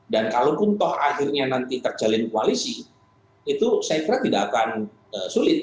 dan kalaupun toh akhirnya nanti terjalin kualisi itu saya kira tidak akan sulit